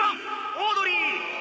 オードリー！